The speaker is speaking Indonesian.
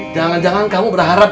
jangan jangan kamu berharap